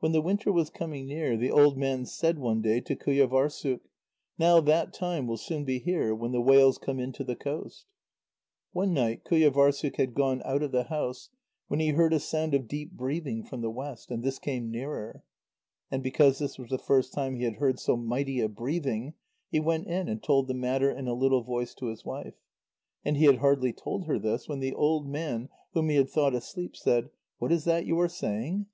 When the winter was coming near, the old man said one day to Qujâvârssuk: "Now that time will soon be here when the whales come in to the coast." One night Qujâvârssuk had gone out of the house, when he heard a sound of deep breathing from the west, and this came nearer. And because this was the first time he had heard so mighty a breathing, he went in and told the matter in a little voice to his wife. And he had hardly told her this, when the old man, whom he had thought asleep, said: "What is that you are saying?"